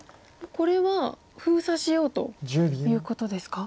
これは封鎖しようということですか？